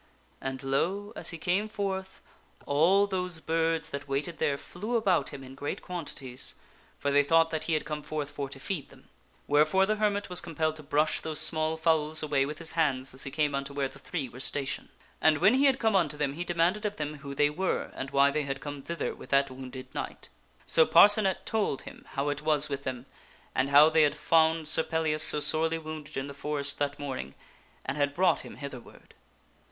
And, lo ! as he came forth, all those dwarf bring sir birds that waited there flew about him in great quantities, for termite/the tne y thought that he had come forth for to feed them ; where forest. f ore the hermit was compelled to brush those small fowls away with his hands as he came unto where the three were stationed. And when he had come unto them he demanded of them who they were and why they had come thither with that wounded knight. So Parcenet told him how it was with them, and of how they had found Sir Pellias so sorely wounded in the forest that morning and had brought him hither ward.